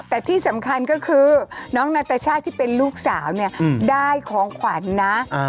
แต่ที่สำคัญก็คือน้องนาตาชาติที่เป็นลูกสาวเนี่ยได้ของขวัญนะ